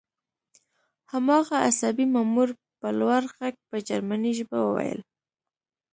هماغه عصبي مامور په لوړ غږ په جرمني ژبه وویل